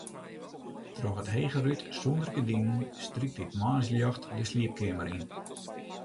Troch it hege rút sûnder gerdinen strykt it moarnsljocht de sliepkeamer yn.